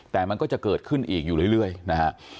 แต่มันก็จะเกิดขึ้นอีกอยู่เรื่อยนะฮะ